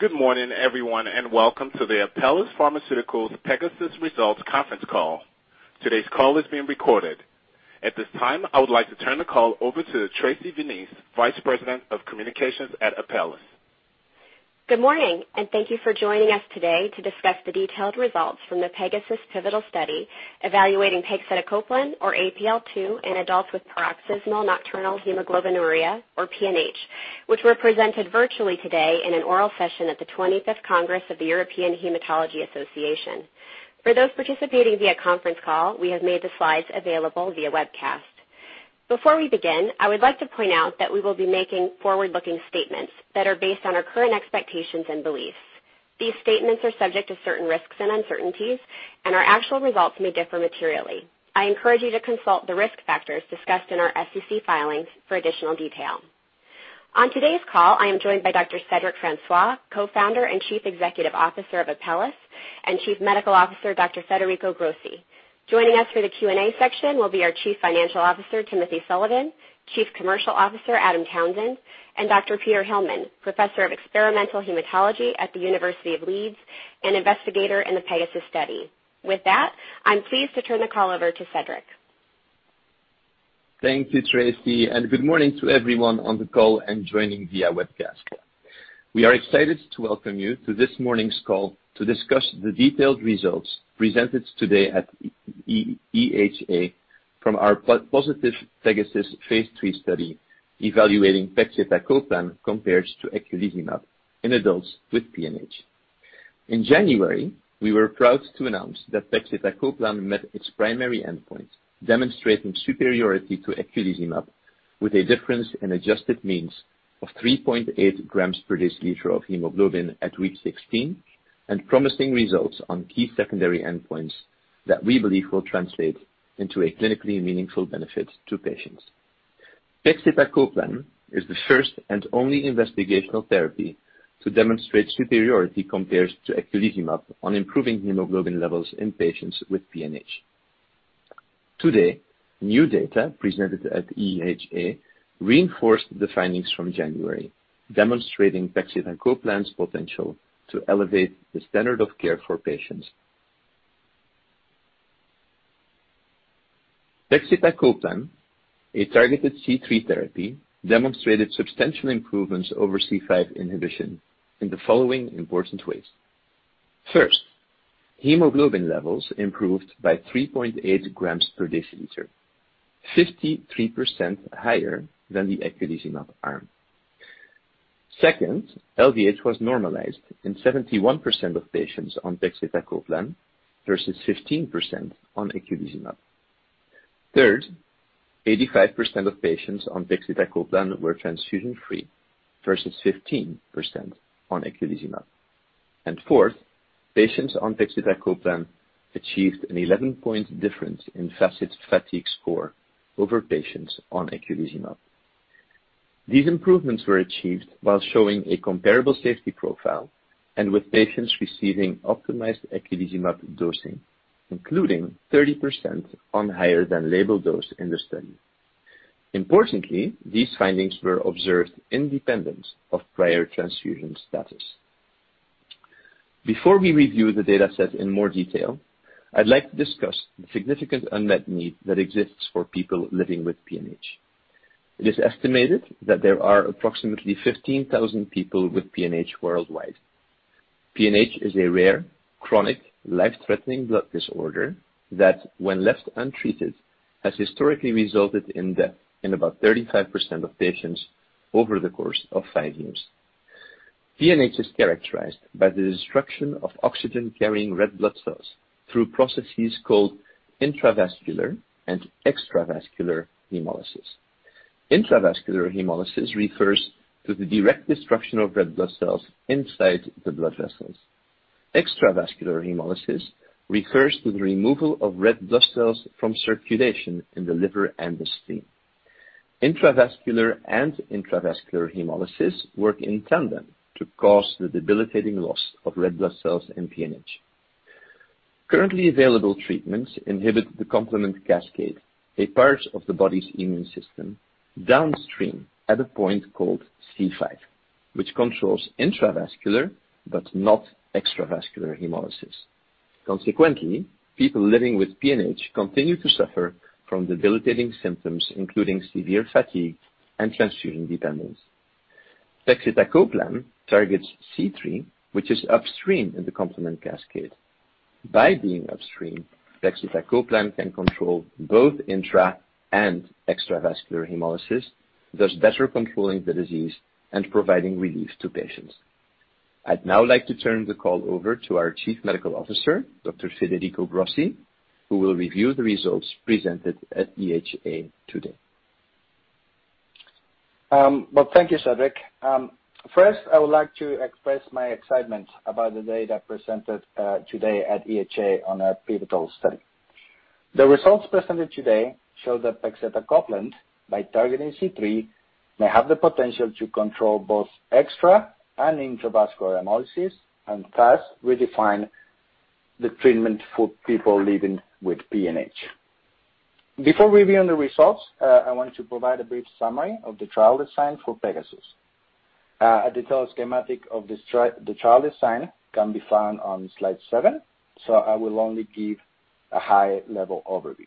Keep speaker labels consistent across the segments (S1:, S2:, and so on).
S1: Good morning, everyone, and welcome to the Apellis Pharmaceuticals PEGASUS Results Conference Call. Today's call is being recorded. At this time, I would like to turn the call over to Tracy Vineis, Vice President of Communications at Apellis.
S2: Good morning. Thank you for joining us today to discuss the detailed results from the PEGASUS pivotal study evaluating pegcetacoplan, or APL-2, in adults with Paroxysmal Nocturnal Hemoglobinuria, or PNH, which were presented virtually today in an oral session at the 25th Congress of the European Hematology Association. For those participating via conference call, we have made the slides available via webcast. Before we begin, I would like to point out that we will be making forward-looking statements that are based on our current expectations and beliefs. These statements are subject to certain risks and uncertainties, and our actual results may differ materially. I encourage you to consult the risk factors discussed in our SEC filings for additional detail. On today's call, I am joined by Dr. Cedric Francois, Co-Founder and Chief Executive Officer of Apellis, and Chief Medical Officer, Dr. Federico Grossi. Joining us for the Q&A section will be our Chief Financial Officer, Timothy Sullivan, Chief Commercial Officer, Adam Townsend, and Dr. Peter Hillmen, Professor of Experimental Hematology at the University of Leeds, an investigator in the PEGASUS study. With that, I'm pleased to turn the call over to Cedric.
S3: Thank you, Tracy. Good morning to everyone on the call and joining via webcast. We are excited to welcome you to this morning's call to discuss the detailed results presented today at EHA from our positive PEGASUS phase III study evaluating pegcetacoplan compared to eculizumab in adults with PNH. In January, we were proud to announce that pegcetacoplan met its primary endpoint, demonstrating superiority to eculizumab, with a difference in adjusted means of 3.8 grams per deciliter of hemoglobin at week 16, and promising results on key secondary endpoints that we believe will translate into a clinically meaningful benefit to patients. Pegcetacoplan is the first and only investigational therapy to demonstrate superiority compared to eculizumab on improving hemoglobin levels in patients with PNH. Today, new data presented at EHA reinforced the findings from January, demonstrating pegcetacoplan's potential to elevate the standard of care for patients. Pegcetacoplan, a targeted C3 therapy, demonstrated substantial improvements over C5 inhibition in the following important ways. First, hemoglobin levels improved by 3.8 grams per deciliter, 53% higher than the eculizumab arm. Second, LDH was normalized in 71% of patients on pegcetacoplan, versus 15% on eculizumab. Third, 85% of patients on pegcetacoplan were transfusion-free, versus 15% on eculizumab. Fourth, patients on pegcetacoplan achieved an 11-point difference in FACIT-Fatigue score over patients on eculizumab. These improvements were achieved while showing a comparable safety profile and with patients receiving optimized eculizumab dosing, including 30% on higher than label dose in the study. Importantly, these findings were observed independent of prior transfusion status. Before we review the data set in more detail, I'd like to discuss the significant unmet need that exists for people living with PNH. It is estimated that there are approximately 15,000 people with PNH worldwide. PNH is a rare, chronic, life-threatening blood disorder that, when left untreated, has historically resulted in death in about 35% of patients over the course of five years. PNH is characterized by the destruction of oxygen-carrying red blood cells through processes called intravascular and extravascular hemolysis. Intravascular hemolysis refers to the direct destruction of red blood cells inside the blood vessels. Extravascular hemolysis refers to the removal of red blood cells from circulation in the liver and the spleen. Intravascular and extravascular hemolysis work in tandem to cause the debilitating loss of red blood cells in PNH. Currently available treatments inhibit the complement cascade, a part of the body's immune system, downstream at a point called C5, which controls intravascular but not extravascular hemolysis. Consequently, people living with PNH continue to suffer from debilitating symptoms, including severe fatigue and transfusion dependence. Pegcetacoplan targets C3, which is upstream in the complement cascade. By being upstream, pegcetacoplan can control both intra and extravascular hemolysis, thus better controlling the disease and providing relief to patients. I'd now like to turn the call over to our Chief Medical Officer, Dr. Federico Grossi, who will review the results presented at EHA today.
S4: Well, thank you, Cedric. First, I would like to express my excitement about the data presented today at EHA on our pivotal study. The results presented today show that pegcetacoplan, by targeting C3, may have the potential to control both extra and intravascular hemolysis, and thus redefine the treatment for people living with PNH. Before reviewing the results, I want to provide a brief summary of the trial design for PEGASUS. A detailed schematic of the trial design can be found on slide seven, so I will only give a high-level overview.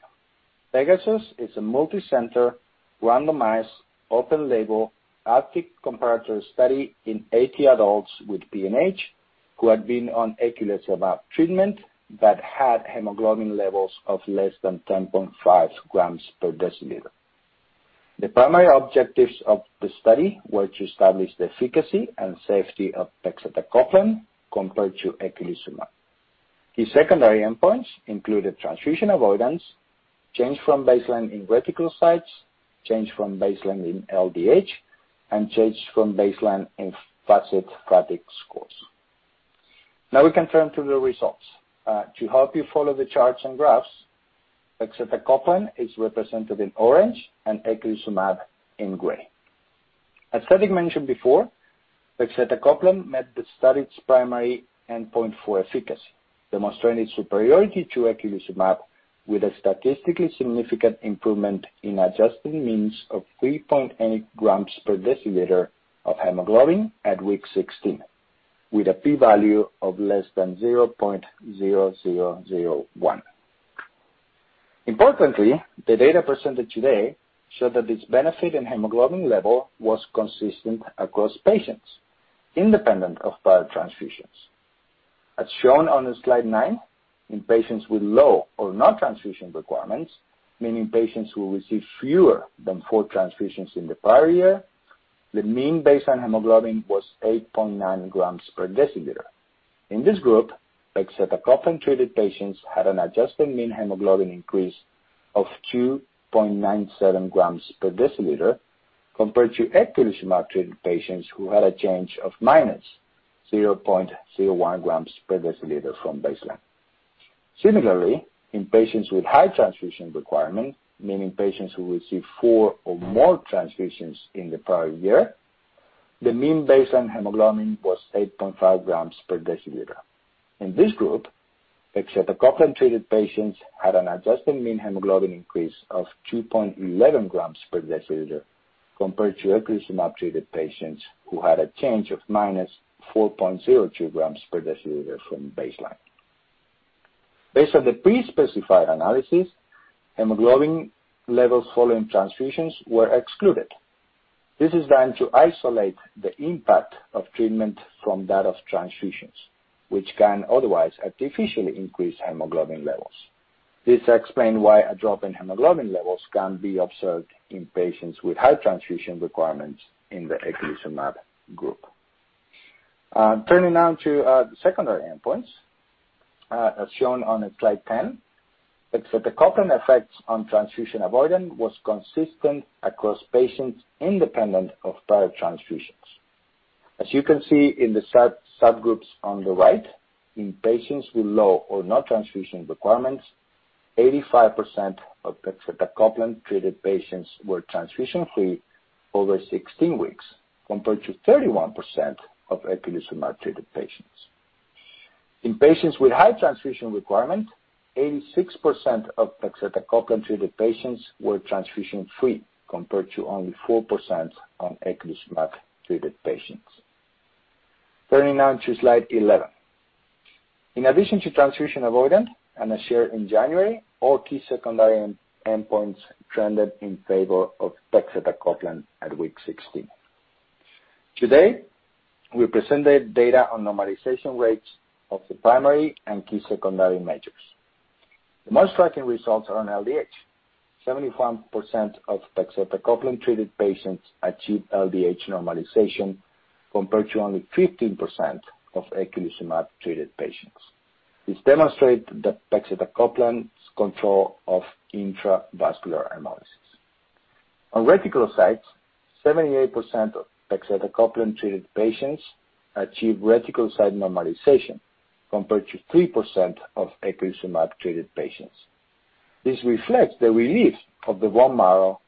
S4: PEGASUS is a multicenter, randomized, open-label, active comparator study in 80 adults with PNH who had been on eculizumab treatment but had hemoglobin levels of less than 10.5 grams per deciliter. The primary objectives of the study were to establish the efficacy and safety of pegcetacoplan compared to eculizumab. The secondary endpoints included transfusion avoidance, change from baseline in reticulocytes, change from baseline in LDH, and change from baseline in FACIT-Fatigue scores. Now we can turn to the results. To help you follow the charts and graphs, pegcetacoplan is represented in orange and eculizumab in gray. As Cedric mentioned before, pegcetacoplan met the study's primary endpoint for efficacy, demonstrating superiority to eculizumab with a statistically significant improvement in adjusted means of 3.8 grams per deciliter of hemoglobin at week 16, with a P value of less than 0.0001. Importantly, the data presented today showed that this benefit in hemoglobin level was consistent across patients, independent of prior transfusions. As shown on slide nine, in patients with low or no transfusion requirements, meaning patients who received fewer than four transfusions in the prior year, the mean baseline hemoglobin was 8.9 grams per deciliter. In this group, pegcetacoplan-treated patients had an adjusted mean hemoglobin increase of 2.97 grams per deciliter compared to eculizumab-treated patients who had a change of -0.01 grams per deciliter from baseline. Similarly, in patients with high transfusion requirement, meaning patients who receive four or more transfusions in the prior year, the mean baseline hemoglobin was 8.5 grams per deciliter. In this group, pegcetacoplan-treated patients had an adjusted mean hemoglobin increase of 2.11 grams per deciliter compared to eculizumab-treated patients who had a change of -4.02 grams per deciliter from baseline. Based on the pre-specified analysis, hemoglobin levels following transfusions were excluded. This is done to isolate the impact of treatment from that of transfusions, which can otherwise artificially increase hemoglobin levels. This explains why a drop in hemoglobin levels can be observed in patients with high transfusion requirements in the eculizumab group. Turning now to the secondary endpoints, as shown on slide 10, pegcetacoplan effects on transfusion avoidance was consistent across patients independent of prior transfusions. As you can see in the subgroups on the right, in patients with low or no transfusion requirements, 85% of pegcetacoplan-treated patients were transfusion-free over 16 weeks, compared to 31% of eculizumab-treated patients. In patients with high transfusion requirement, 86% of pegcetacoplan-treated patients were transfusion-free, compared to only 4% on eculizumab-treated patients. Turning now to slide 11. In addition to transfusion avoidance and as shared in January, all key secondary endpoints trended in favor of pegcetacoplan at week 16. Today, we presented data on normalization rates of the primary and key secondary measures. The most striking results are on LDH. 75% of pegcetacoplan-treated patients achieved LDH normalization, compared to only 15% of eculizumab-treated patients. This demonstrates that pegcetacoplan's control of intravascular hemolysis. On reticulocytes, 78% of pegcetacoplan-treated patients achieved reticulocyte normalization, compared to 3% of eculizumab-treated patients. This reflects the relief of the bone marrow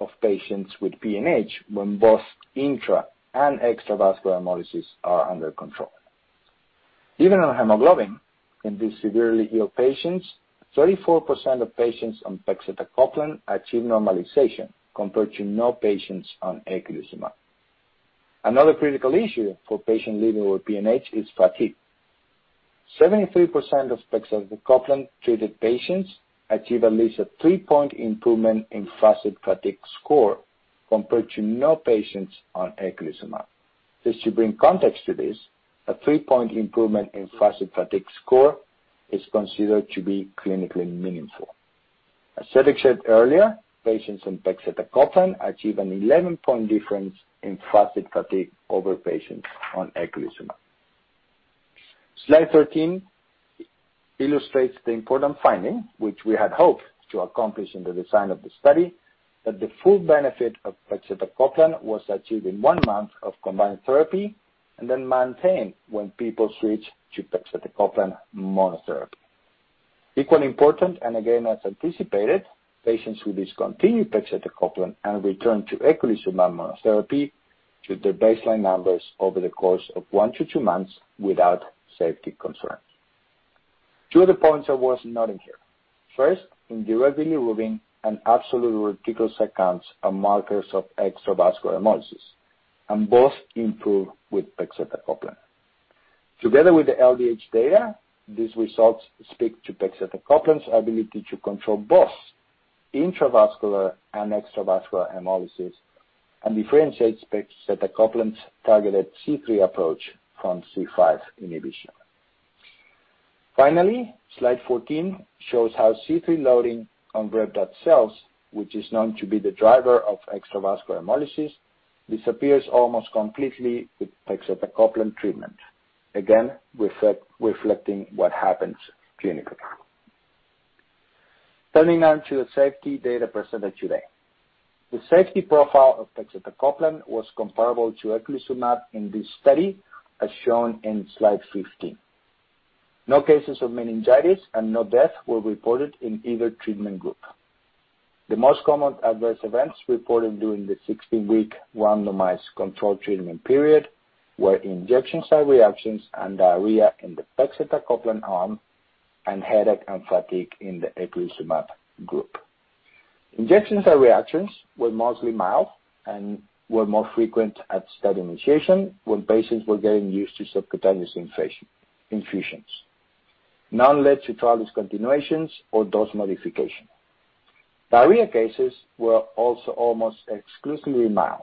S4: of patients with PNH when both intra and extravascular hemolysis are under control. Even on hemoglobin, in these severely ill patients, 34% of patients on pegcetacoplan achieved normalization, compared to no patients on eculizumab. Another critical issue for patients living with PNH is fatigue. 73% of pegcetacoplan-treated patients achieve at least a three-point improvement in FACIT-Fatigue score, compared to no patients on eculizumab. Just to bring context to this, a three-point improvement in FACIT-Fatigue score is considered to be clinically meaningful. As Cedric said earlier, patients on pegcetacoplan achieve an 11-point difference in FACIT-Fatigue over patients on eculizumab. Slide 13 illustrates the important finding, which we had hoped to accomplish in the design of the study, that the full benefit of pegcetacoplan was achieved in one month of combined therapy and then maintained when people switched to pegcetacoplan monotherapy. Equally important, again as anticipated, patients who discontinued pegcetacoplan and returned to eculizumab monotherapy to the baseline numbers over the course of one-two months without safety concerns. Two other points I was noting here. First, indirect bilirubin and absolute reticulocyte counts are markers of extravascular hemolysis. Both improve with pegcetacoplan. Together with the LDH data, these results speak to pegcetacoplan's ability to control both intravascular and extravascular hemolysis and differentiates pegcetacoplan's targeted C3 approach from C5 inhibition. Finally, slide 14 shows how C3 loading on red blood cells, which is known to be the driver of extravascular hemolysis, disappears almost completely with pegcetacoplan treatment. Again, reflecting what happens clinically. Turning now to the safety data presented today. The safety profile of pegcetacoplan was comparable to eculizumab in this study, as shown in slide 15. No cases of meningitis and no death were reported in either treatment group. The most common adverse events reported during the 16-week randomized control treatment period were injection site reactions and diarrhea in the pegcetacoplan arm and headache and fatigue in the eculizumab group. Injection site reactions were mostly mild and were more frequent at study initiation when patients were getting used to subcutaneous infusions. None led to trial discontinuations or dose modification. Diarrhea cases were also almost exclusively mild,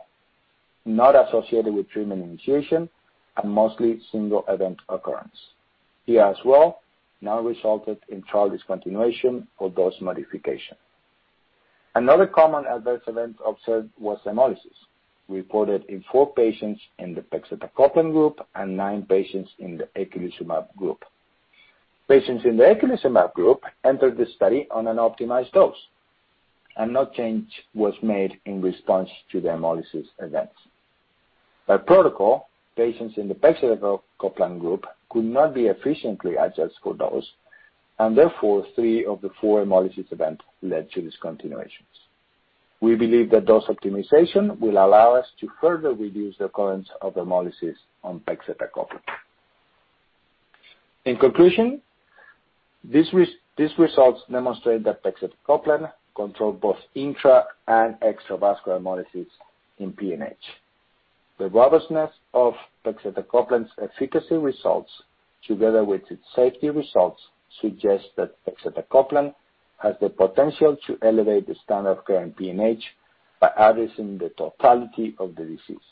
S4: not associated with treatment initiation, and mostly single event occurrence. Here as well, none resulted in trial discontinuation or dose modification. Another common adverse event observed was hemolysis, reported in four patients in the pegcetacoplan group and nine patients in the eculizumab group. Patients in the eculizumab group entered the study on an optimized dose, and no change was made in response to the hemolysis events. By protocol, patients in the pegcetacoplan group could not be efficiently adjusted for dose, and therefore, three of the four hemolysis event led to discontinuations. We believe that dose optimization will allow us to further reduce the occurrence of hemolysis on pegcetacoplan. In conclusion, these results demonstrate that pegcetacoplan control both intra and extravascular hemolysis in PNH. The robustness of pegcetacoplan's efficacy results, together with its safety results, suggest that pegcetacoplan has the potential to elevate the standard of care in PNH by addressing the totality of the disease.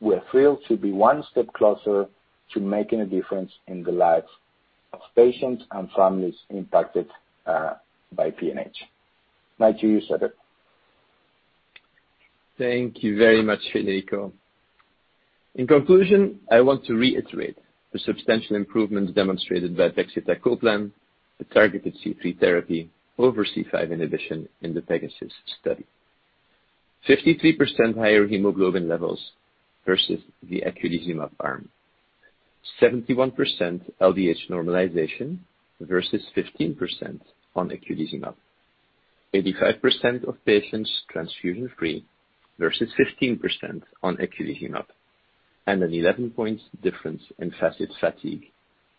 S4: We're thrilled to be one step closer to making a difference in the lives of patients and families impacted by PNH. Back to you, Cedric.
S3: Thank you very much, Federico. In conclusion, I want to reiterate the substantial improvements demonstrated by pegcetacoplan, the targeted C3 therapy over C5 inhibition in the PEGASUS study. 53% higher hemoglobin levels versus the eculizumab arm, 71% LDH normalization versus 15% on eculizumab, 85% of patients transfusion-free versus 15% on eculizumab, and an 11-point difference in FACIT-Fatigue,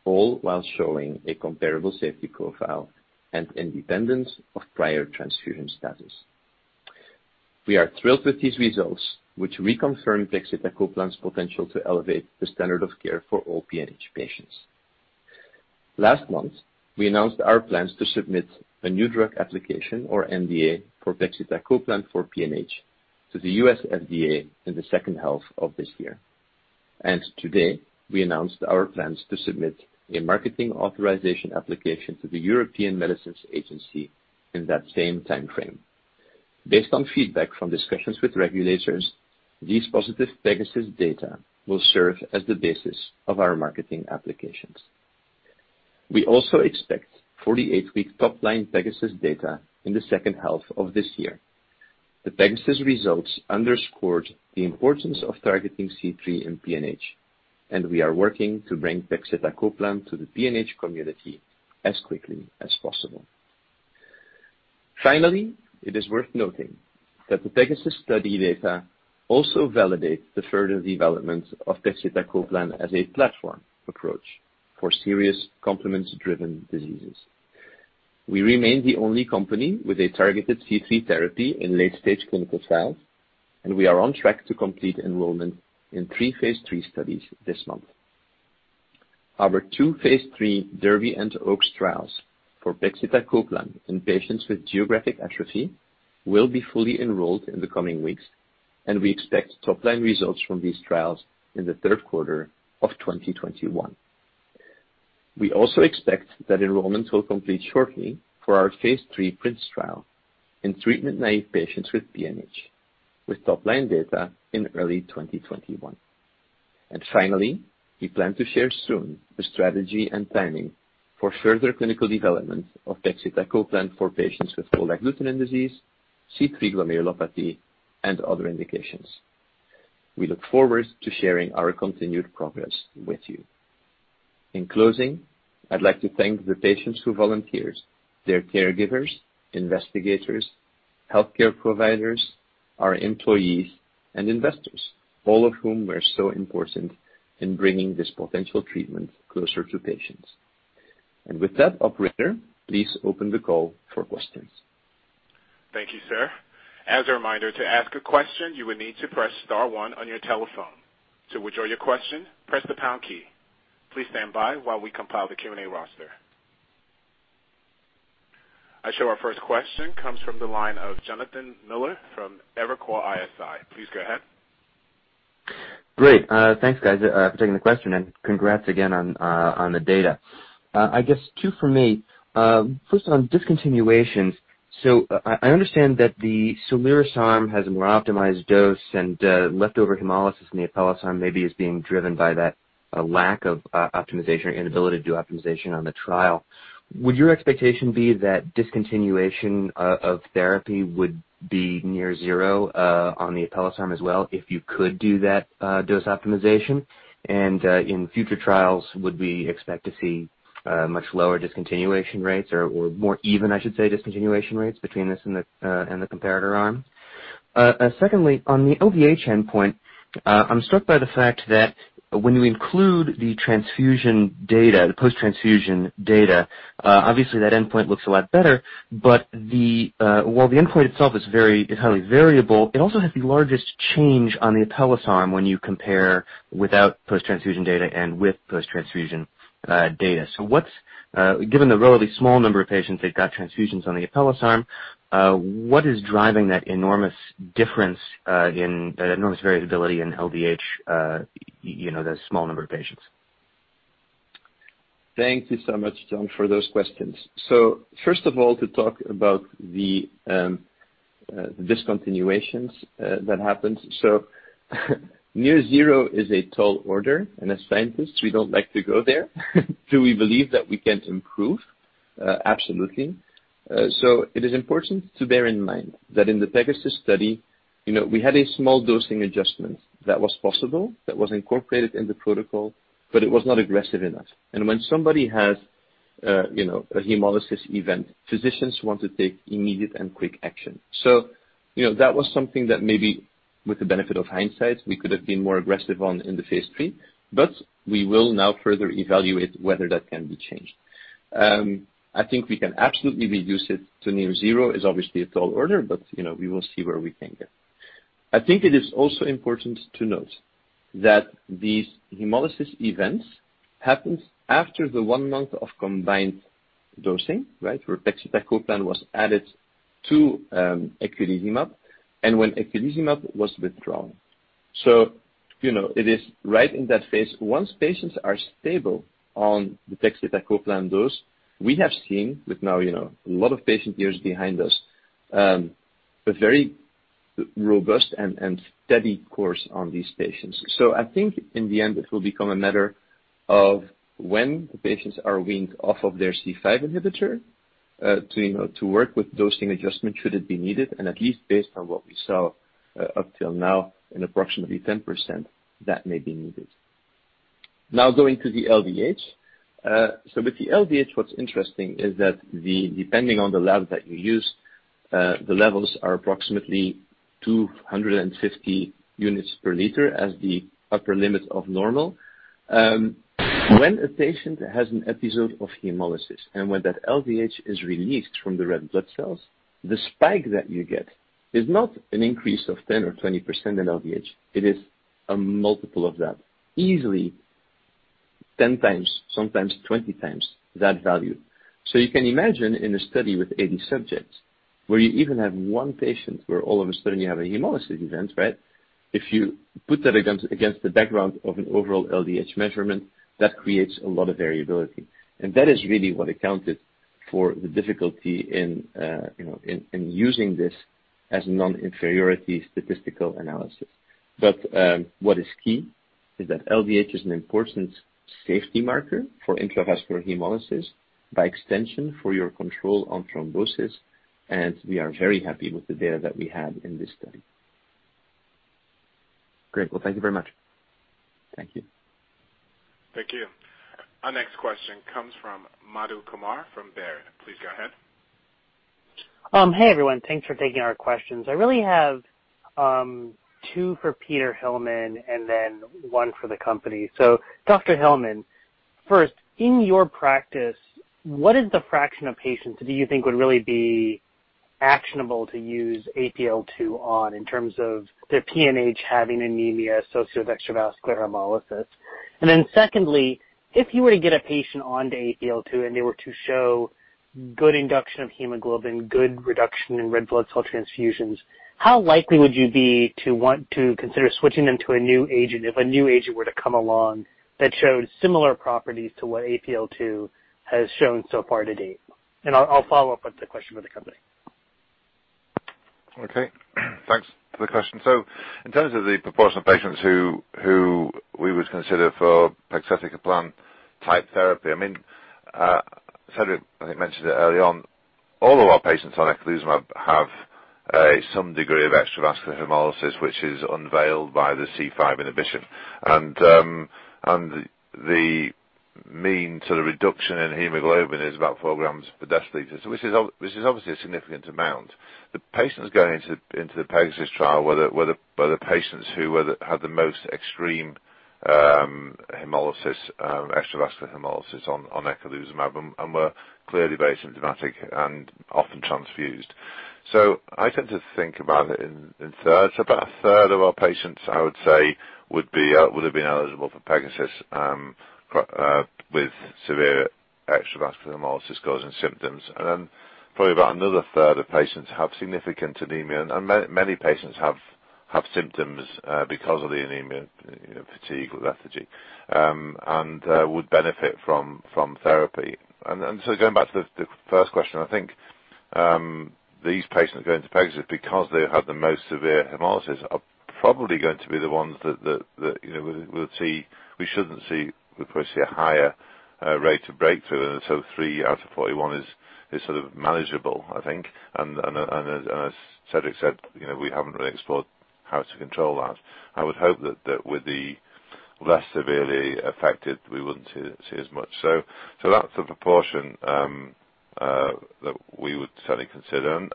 S3: all while showing a comparable safety profile and independent of prior transfusion status. We are thrilled with these results, which reconfirm pegcetacoplan's potential to elevate the standard of care for all PNH patients. Last month, we announced our plans to submit a new drug application or NDA for pegcetacoplan for PNH to the U.S. FDA in the second half of this year. Today, we announced our plans to submit a marketing authorization application to the European Medicines Agency in that same timeframe. Based on feedback from discussions with regulators, these positive PEGASUS data will serve as the basis of our marketing applications. We also expect 48-week top line PEGASUS data in the second half of this year. The PEGASUS results underscored the importance of targeting C3 in PNH, and we are working to bring pegcetacoplan to the PNH community as quickly as possible. Finally, it is worth noting that the PEGASUS study data also validates the further development of pegcetacoplan as a platform approach for serious complement-driven diseases. We remain the only company with a targeted C3 therapy in late-stage clinical trials, and we are on track to complete enrollment in three phase III studies this month. Our two phase III DERBY and OAKS trials for pegcetacoplan in patients with geographic atrophy will be fully enrolled in the coming weeks, and we expect top-line results from these trials in the third quarter of 2021. We also expect that enrollment will complete shortly for our phase III PRINCE trial in treatment-naive patients with PNH, with top line data in early 2021. Finally, we plan to share soon the strategy and timing for further clinical development of pegcetacoplan for patients with cold agglutinin disease, C3 glomerulopathy, and other indications. We look forward to sharing our continued progress with you. In closing, I'd like to thank the patients who volunteers, their caregivers, investigators, healthcare providers, our employees and investors, all of whom were so important in bringing this potential treatment closer to patients. With that, Operator, please open the call for questions.
S1: Thank you, Sir. As a reminder, to ask a question, you will need to press star one on your telephone. To withdraw your question, press the pound key. Please stand by while we compile the Q&A roster. I show our first question comes from the line of Jonathan Miller from Evercore ISI. Please go ahead.
S5: Great. Thanks, guys, for taking the question and congrats again on the data. I guess two for me. First on discontinuations. I understand that the Soliris arm has a more optimized dose and leftover hemolysis in the Apellis arm maybe is being driven by that lack of optimization or inability to do optimization on the trial. Would your expectation be that discontinuation of therapy would be near zero on the Apellis arm as well if you could do that dose optimization? In future trials, would we expect to see much lower discontinuation rates or more even, I should say, discontinuation rates between this and the comparator arm? Secondly, on the LDH endpoint, I'm struck by the fact that when we include the transfusion data, the post-transfusion data obviously that endpoint looks a lot better, but while the endpoint itself is highly variable, it also has the largest change on the Apellis arm when you compare without post-transfusion data and with post-transfusion data. Given the relatively small number of patients that got transfusions on the Apellis arm, what is driving that enormous difference in enormous variability in LDH, those small number of patients.
S3: Thank you so much, Jon, for those questions. First of all, to talk about the discontinuations that happened. Near zero is a tall order, and as scientists, we don't like to go there. Do we believe that we can improve? Absolutely. It is important to bear in mind that in the PEGASUS study, we had a small dosing adjustment that was possible, that was incorporated in the protocol, but it was not aggressive enough. When somebody has a hemolysis event, physicians want to take immediate and quick action. That was something that maybe with the benefit of hindsight, we could have been more aggressive on in the phase III, but we will now further evaluate whether that can be changed. I think we can absolutely reduce it to near zero, is obviously a tall order, but we will see where we can get. I think it is also important to note that these hemolysis events happens after the one month of combined dosing, where pegcetacoplan was added to eculizumab and when eculizumab was withdrawn. It is right in that phase. Once patients are stable on the pegcetacoplan dose, we have seen with now a lot of patient years behind us, a very robust and steady course on these patients. I think in the end it will become a matter of when the patients are weaned off of their C5 inhibitor, to work with dosing adjustment should it be needed, and at least based on what we saw up till now, in approximately 10%, that may be needed. Now going to the LDH. With the LDH, what's interesting is that depending on the lab that you use, the levels are approximately 250 units per liter as the upper limit of normal. When a patient has an episode of hemolysis, and when that LDH is released from the red blood cells, the spike that you get is not an increase of 10% or 20% in LDH. It is a multiple of that, easily 10x, sometimes 20x that value. You can imagine in a study with 80 subjects where you even have one patient where all of a sudden you have a hemolysis event, if you put that against the background of an overall LDH measurement, that creates a lot of variability. That is really what accounted for the difficulty in using this as a non-inferiority statistical analysis. What is key is that LDH is an important safety marker for intravascular hemolysis, by extension for your control on thrombosis, and we are very happy with the data that we had in this study.
S5: Great. Well, thank you very much.
S3: Thank you.
S1: Thank you. Our next question comes from Madhu Kumar from Baird. Please go ahead.
S6: Hey, everyone. Thanks for taking our questions. I really have two for Peter Hillmen and then one for the company. Dr. Hillmen, first, in your practice, what is the fraction of patients that you think would really be actionable to use APL-2 on in terms of their PNH having anemia associated with extravascular hemolysis? Secondly, if you were to get a patient onto APL-2 and they were to show good induction of hemoglobin, good reduction in red blood cell transfusions, how likely would you be to want to consider switching them to a new agent if a new agent were to come along that showed similar properties to what APL-2 has shown so far to date? I'll follow up with the question for the company.
S7: Thanks for the question. In terms of the proportion of patients who we would consider for pegcetacoplan type therapy, Federico, I think, mentioned it early on, all of our patients on eculizumab have some degree of extravascular hemolysis, which is unveiled by the C5 inhibition. The mean reduction in hemoglobin is about four grams per deciliter. This is obviously a significant amount. The patients going into the PEGASUS trial were the patients who had the most extreme extravascular hemolysis on eculizumab and were clearly very symptomatic and often transfused. I tend to think about it in thirds, about 1/3 of our patients, I would say, would have been eligible for PEGASUS with severe extravascular hemolysis causing symptoms. Probably about another third of patients have significant anemia, and many patients have symptoms because of the anemia, fatigue or lethargy, and would benefit from therapy. Going back to the first question, I think these patients going to PEGASUS because they have the most severe hemolysis, are probably going to be the ones that we'll see. We probably see a higher rate of breakthrough, three out of 41 is sort of manageable, I think. As Cedric said, we haven't really explored how to control that. I would hope that with the less severely affected, we wouldn't see as much. That's the proportion that we would certainly consider.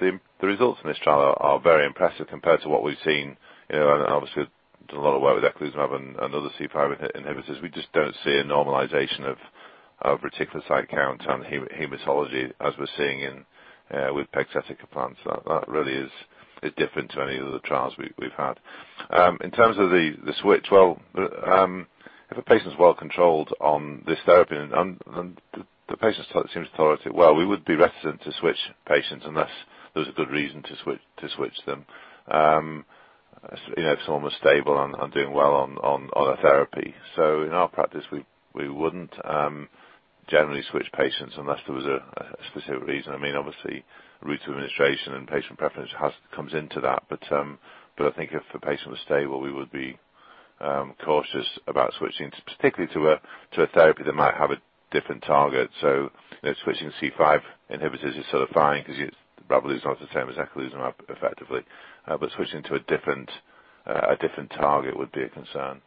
S7: The results in this trial are very impressive compared to what we've seen, and obviously done a lot of work with eculizumab and other C5 inhibitors. We just don't see a normalization of reticulocyte count and hematology as we're seeing with pegcetacoplan. That really is different to any of the trials we've had. In terms of the switch, well, if a patient's well-controlled on this therapy and the patient seems to tolerate it well, we would be reticent to switch patients unless there's a good reason to switch them. If someone was stable and doing well on a therapy. In our practice, we wouldn't generally switch patients unless there was a specific reason. Obviously, route of administration and patient preference comes into that. I think if a patient was stable, we would be cautious about switching, particularly to a therapy that might have a different target. Switching C5 inhibitors is sort of fine because it probably is not the same as eculizumab effectively. Switching to a different target would be a concern.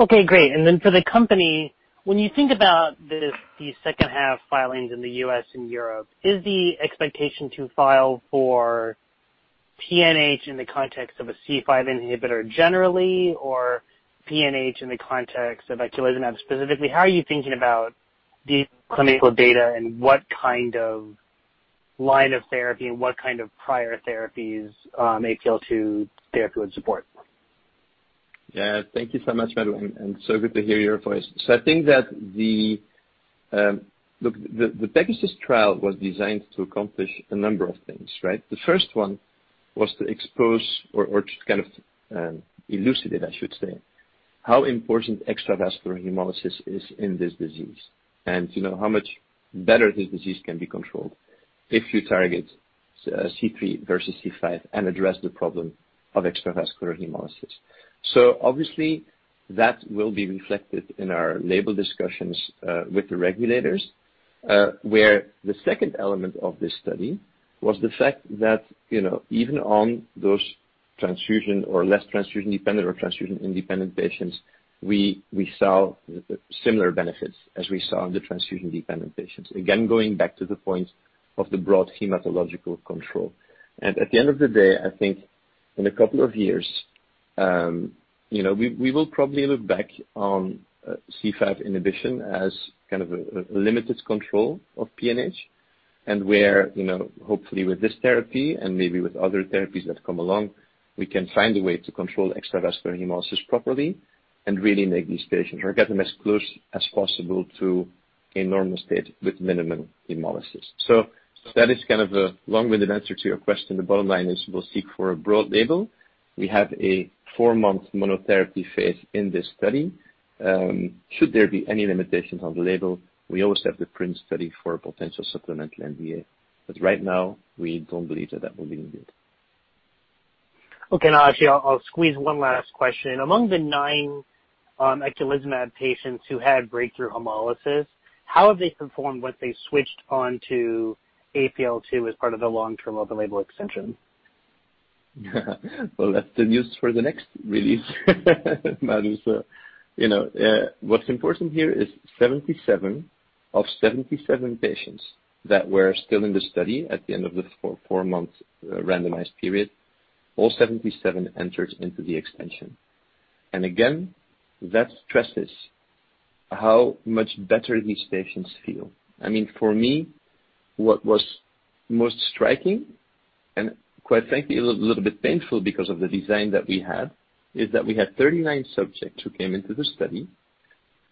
S6: Okay, great. For the company, when you think about these second-half filings in the U.S. and Europe, is the expectation to file for PNH in the context of a C5 inhibitor generally, or PNH in the context of eculizumab specifically? How are you thinking about the clinical data and what kind of line of therapy and what kind of prior therapies APL-2 therapy would support?
S3: Yeah. Thank you so much, Madhu, and good to hear your voice. I think that the PEGASUS trial was designed to accomplish a number of things, right? The first one was to expose or to kind of elucidate, I should say, how important extravascular hemolysis is in this disease, and how much better this disease can be controlled if you target C3 versus C5 and address the problem of extravascular hemolysis. Obviously, that will be reflected in our label discussions with the regulators, where the second element of this study was the fact that even on those transfusion or less transfusion-dependent or transfusion-independent patients, we saw similar benefits as we saw in the transfusion-dependent patients. Again, going back to the point of the broad hematological control. At the end of the day, I think in a couple of years, we will probably look back on C5 inhibition as kind of a limited control of PNH, and where hopefully with this therapy and maybe with other therapies that come along, we can find a way to control extravascular hemolysis properly and really make these patients or get them as close as possible to a normal state with minimum hemolysis. That is kind of a long-winded answer to your question. The bottom line is we'll seek for a broad label. We have a four-month monotherapy phase in this study. Should there be any limitations on the label, we always have the PRINCE study for a potential supplemental NDA. Right now, we don't believe that that will be needed.
S6: Okay. Now, actually, I'll squeeze one last question. Among the nine eculizumab patients who had breakthrough hemolysis, how have they performed once they switched onto APL-2 as part of the long-term label extension?
S3: Well, that's the news for the next release, Madhu. What's important here is 77 of 77 patients that were still in the study at the end of the four-month randomized period, all 77 entered into the extension. Again, that stresses how much better these patients feel. For me, what was most striking, and quite frankly, a little bit painful because of the design that we had, is that we had 39 subjects who came into the study,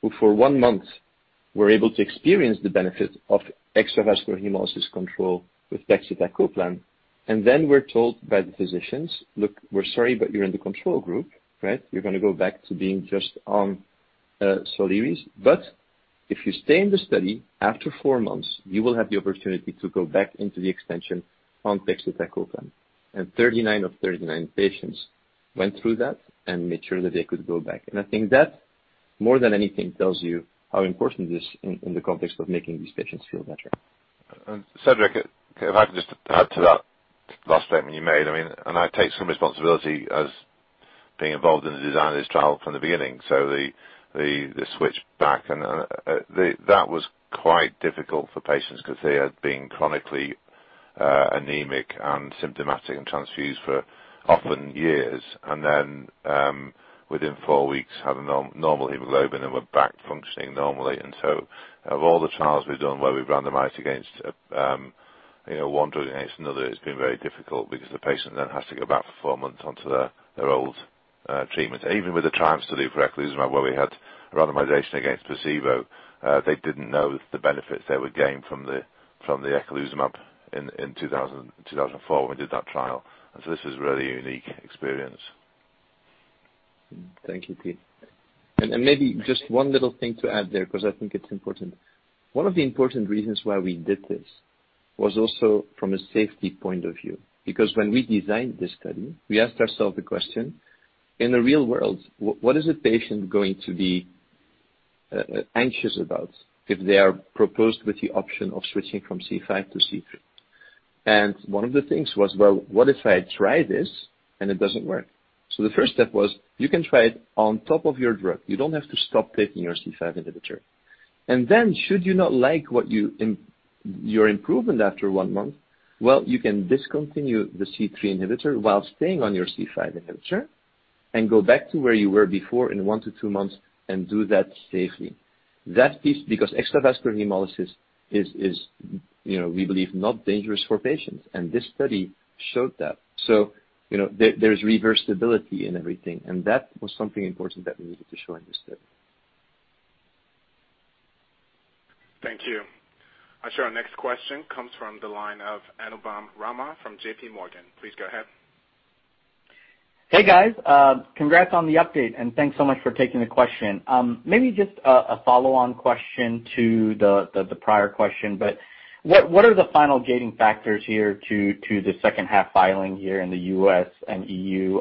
S3: who for one month were able to experience the benefit of extravascular hemolysis control with pegcetacoplan, and then were told by the physicians, "Look, we're sorry, but you're in the control group. You're going to go back to being just on Soliris. If you stay in the study after four months, you will have the opportunity to go back into the extension on pegcetacoplan. 39 of 39 patients went through that and made sure that they could go back. I think that more than anything, tells you how important it is in the context of making these patients feel better.
S7: Cedric, if I could just add to that last statement you made. I take some responsibility as being involved in the design of this trial from the beginning. The switch back, that was quite difficult for patients because they had been chronically anemic and symptomatic and transfused for often years. Within four weeks, had a normal hemoglobin and were back functioning normally. Of all the trials we've done where we've randomized against one drug against another, it's been very difficult because the patient then has to go back for four months onto their old treatment. Even with the trials study for eculizumab, where we had a randomization against placebo, they didn't know the benefits they would gain from the eculizumab in 2004, when we did that trial. This was a really unique experience.
S3: Thank you, Pete. Maybe just one little thing to add there, because I think it's important. One of the important reasons why we did this was also from a safety point of view, because when we designed this study, we asked ourselves the question, in the real world, what is a patient going to be anxious about if they are proposed with the option of switching from C5-C3? One of the things was, well, what if I try this and it doesn't work? The first step was you can try it on top of your drug. You don't have to stop taking your C5 inhibitor. Should you not like your improvement after one month, well, you can discontinue the C3 inhibitor while staying on your C5 inhibitor and go back to where you were before in one to two months and do that safely. That piece, because extravascular hemolysis is, we believe, not dangerous for patients, and this study showed that. There's reversibility in everything, and that was something important that we needed to show in this study.
S1: Thank you. I show our next question comes from the line of Anupam Rama from JPMorgan. Please go ahead.
S8: Hey, guys. Congrats on the update, thanks so much for taking the question. Maybe just a follow-on question to the prior question, what are the final gating factors here to the second half filing here in the U.S. and EU?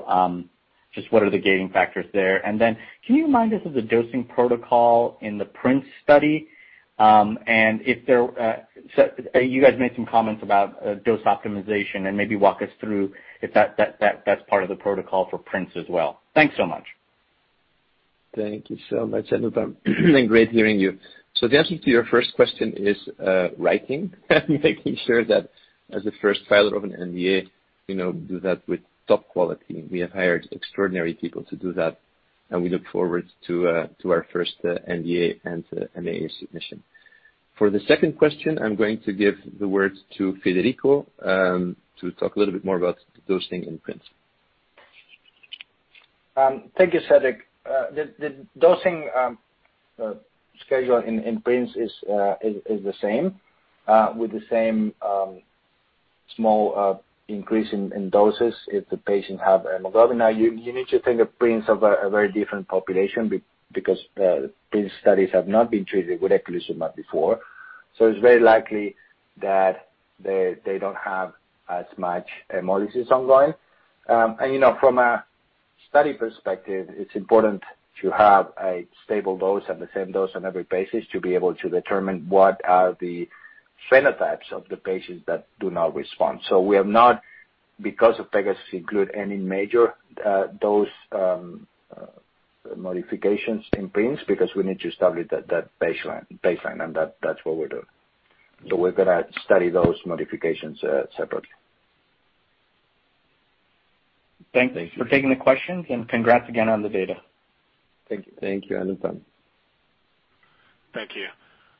S8: Just what are the gating factors there? Can you remind us of the dosing protocol in the PRINCE study? You guys made some comments about dose optimization and maybe walk us through if that's part of the protocol for PRINCE as well. Thanks so much.
S3: Thank you so much, Anupam. Great hearing you. The answer to your first question is writing and making sure that as a first filer of an NDA, do that with top quality. We have hired extraordinary people to do that, and we look forward to our first NDA and MAA submission. For the second question, I'm going to give the word to Federico, to talk a little bit more about dosing in PRINCE.
S4: Thank you, Cedric. The dosing schedule in PRINCE is the same, with the same small increase in doses if the patient have hemoglobin. You need to think of PRINCE of a very different population because these studies have not been treated with eculizumab before. It's very likely that they don't have as much hemolysis ongoing. From a study perspective, it's important to have a stable dose and the same dose on every patient to be able to determine what are the phenotypes of the patients that do not respond. We have not, because of PEGASUS, include any major dose modifications in PRINCE because we need to establish that baseline. That's what we're doing. We're going to study those modifications separately.
S8: Thank you for taking the question. Congrats again on the data.
S4: Thank you.
S3: Thank you, Anupam.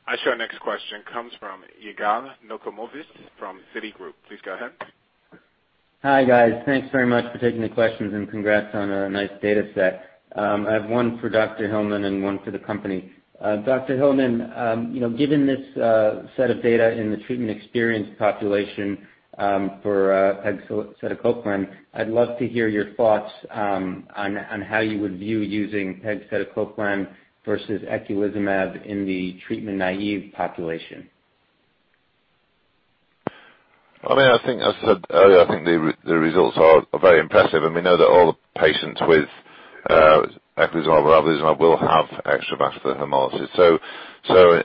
S1: Thank you. I show our next question comes from Yigal Nochomovitz from Citigroup. Please go ahead.
S9: Hi, guys. Thanks very much for taking the questions and congrats on a nice data set. I have one for Dr Hillmen and one for the company. Dr Hillmen, given this set of data in the treatment experience population for pegcetacoplan, I'd love to hear your thoughts on how you would view using pegcetacoplan versus eculizumab in the treatment-naive population.
S7: I think I said earlier, I think the results are very impressive, and we know that all the patients with eculizumab or ravulizumab will have extravascular hemolysis. Also,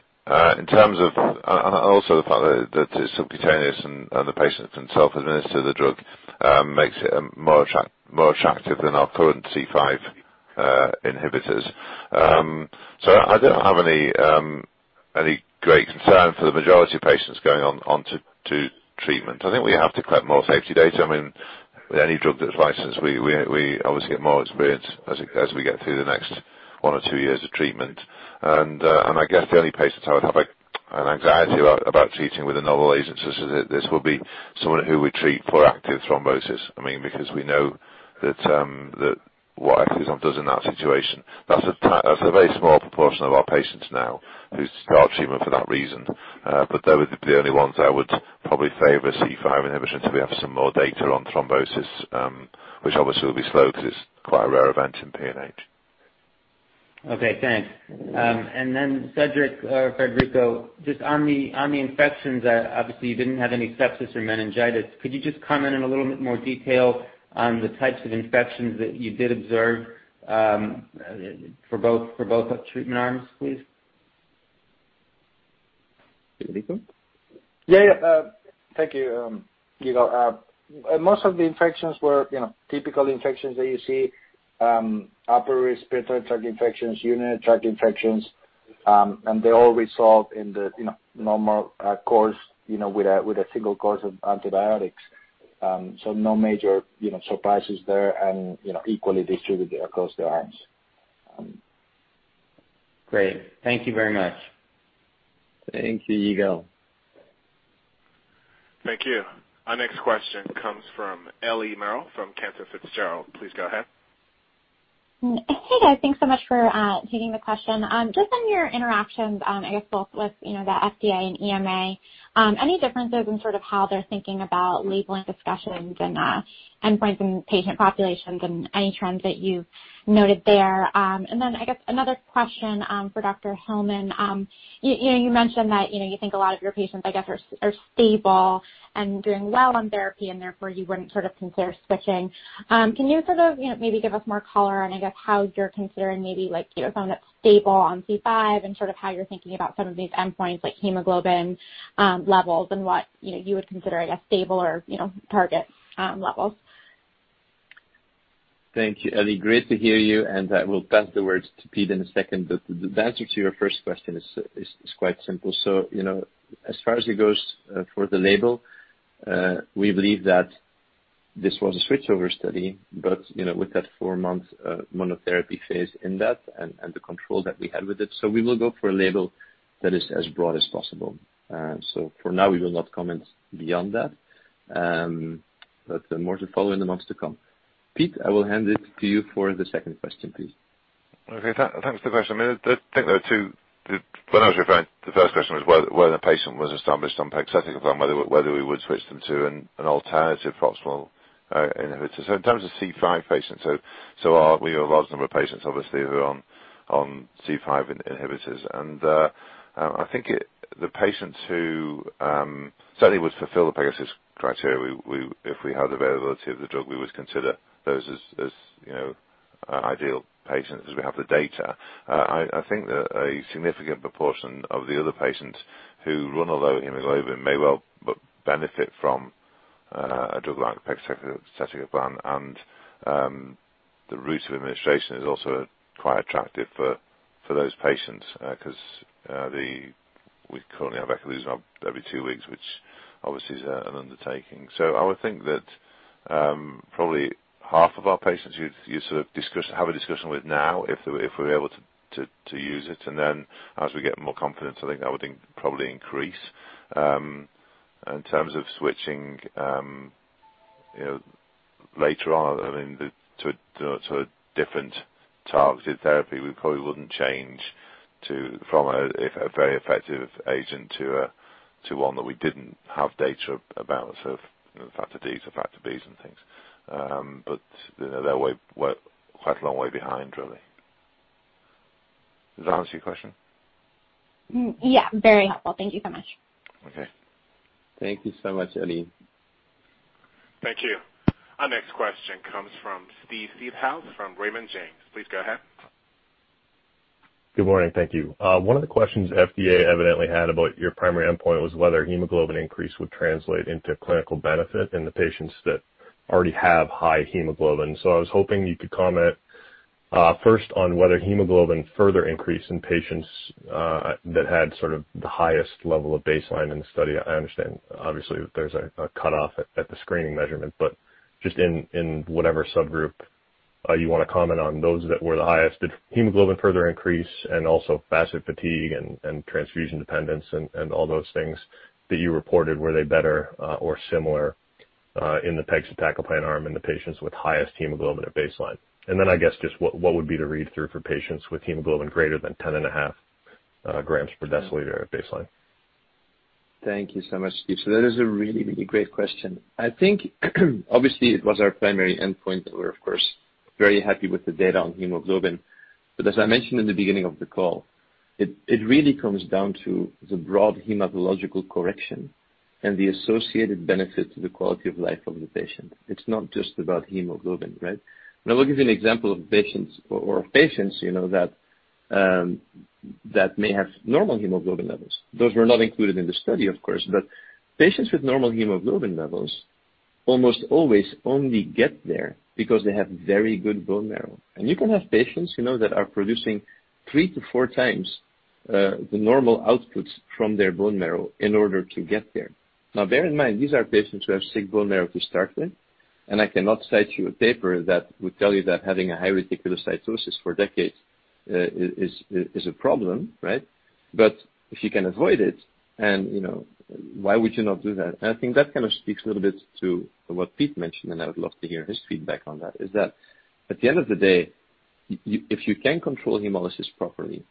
S7: the fact that it's subcutaneous and the patient can self-administer the drug makes it more attractive than our current C5 inhibitors. I don't have any great concern for the majority of patients going onto treatment. I think we have to collect more safety data. With any drug that's licensed, we obviously get more experience as we get through the next one or two years of treatment. I guess the only patient I would have an anxiety about treating with a novel agent such as this will be someone who we treat for active thrombosis. We know what eculizumab does in that situation. That's a very small proportion of our patients now who start treatment for that reason. They would be the only ones I would probably favor C5 inhibition till we have some more data on thrombosis, which obviously will be slow because it's quite a rare event in PNH.
S9: Okay, thanks. Then Cedric or Federico, just on the infections, obviously you didn't have any sepsis or meningitis. Could you just comment in a little bit more detail on the types of infections that you did observe for both treatment arms, please?
S4: Yeah. Thank you, Yigal. Most of the infections were typical infections that you see, upper respiratory tract infections, urinary tract infections. They all resolved in the normal course, with a single course of antibiotics. No major surprises there and equally distributed across the arms.
S9: Great. Thank you very much.
S3: Thank you, Yigal.
S1: Thank you. Our next question comes from Ellie Merle from Cantor Fitzgerald. Please go ahead.
S10: Hey, guys. Thanks so much for taking the question. Just on your interactions, I guess both with the FDA and EMA, any differences in sort of how they're thinking about labeling discussions and endpoints in patient populations and any trends that you've noted there? Then I guess another question for Dr. Hillmen. You mentioned that you think a lot of your patients, I guess, are stable and doing well on therapy, and therefore you wouldn't sort of consider switching. Can you sort of maybe give us more color on, I guess, how you're considering maybe like someone that's stable on C5 and sort of how you're thinking about some of these endpoints like hemoglobin levels and what you would consider, I guess, stable or target levels?
S3: Thank you, Ellie. Great to hear you. I will pass the words to Pete in a second. The answer to your first question is quite simple. As far as it goes for the label, we believe that this was a switchover study, with that four-month monotherapy phase in that and the control that we had with it. We will go for a label that is as broad as possible. For now, we will not comment beyond that. More to follow in the months to come. Pete, I will hand it to you for the second question, please.
S7: Okay. Thanks for the question. When I was referring, the first question was whether the patient was established on pegcetacoplan, whether we would switch them to an alternative proximal inhibitor. In terms of C5 patients, we have a large number of patients, obviously, who are on C5 inhibitors. I think the patients who certainly would fulfill the PEGASUS criteria, if we had availability of the drug, we would consider those as ideal patients because we have the data. I think that a significant proportion of the other patients who run a low hemoglobin may well benefit from a drug like pegcetacoplan, and the route of administration is also quite attractive for those patients, because we currently have eculizumab every two weeks, which obviously is an undertaking. I would think that probably 1/2 of our patients you'd sort of have a discussion with now if we were able to use it. As we get more confidence, I think that would then probably increase. In terms of switching later on to a different targeted therapy, we probably wouldn't change from a very effective agent to one that we didn't have data about. factor Ds or factor Bs and things. They're quite a long way behind, really. Does that answer your question?
S10: Yeah, very helpful. Thank you so much.
S7: Okay.
S3: Thank you so much, Ellie.
S1: Thank you. Our next question comes from Steve Seedhouse from Raymond James. Please go ahead.
S11: Good morning. Thank you. One of the questions FDA evidently had about your primary endpoint was whether hemoglobin increase would translate into clinical benefit in the patients that already have high hemoglobin. I was hoping you could comment first on whether hemoglobin further increased in patients that had sort of the highest level of baseline in the study. I understand obviously that there's a cutoff at the screening measurement, but just in whatever subgroup you want to comment on, those that were the highest, did hemoglobin further increase and also FACIT-Fatigue and transfusion dependence and all those things that you reported, were they better or similar in the pegcetacoplan arm in the patients with highest hemoglobin at baseline? I guess just what would be the read-through for patients with hemoglobin greater than 10.5 grams per deciliter at baseline?
S3: Thank you so much, Steve. That is a really great question. I think obviously it was our primary endpoint, and we're of course very happy with the data on hemoglobin. As I mentioned in the beginning of the call, it really comes down to the broad hematological correction and the associated benefit to the quality of life of the patient. It's not just about hemoglobin, right? I'll give you an example of patients that may have normal hemoglobin levels. Those were not included in the study, of course, but patients with normal hemoglobin levels almost always only get there because they have very good bone marrow. You can have patients that are producing3x-4x the normal outputs from their bone marrow in order to get there. Now bear in mind, these are patients who have sick bone marrow to start with. I cannot cite you a paper that would tell you that having a high reticulocytosis for decades is a problem, right? If you can avoid it why would you not do that? I think that kind of speaks a little bit to what Pete mentioned, and I would love to hear his feedback on that, is that at the end of the day, if you can control hemolysis properly